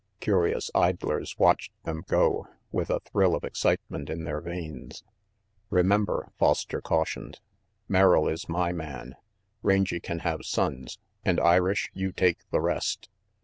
Curious idlers watched them go, with a thrill of excitement in their veins. "Remember," Foster cautioned, "Merrill is my man, Rangy can have Sonnes, and Irish, you take the rest."